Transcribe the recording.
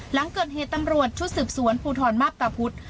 หลังเกิดเหตุตำรวจชุดสืบสวนภูทรมาพตะพุธ